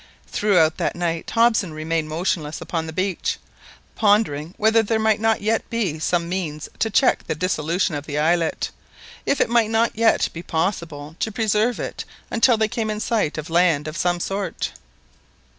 Throughout that night Hobson remained motionless upon the beach, pondering whether there might not yet be some means to check the dissolution of the islet—if it might not yet be possible to preserve it until they came in sight of land of some sort.